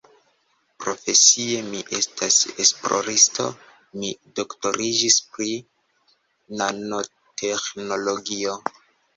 Profesie mi estas esploristo, mi doktoriĝis pri nanoteĥnologio.